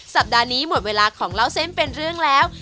สัปดาห์นี้หมดเวลาของเล่าเส้นเป็นเรื่องแล้ว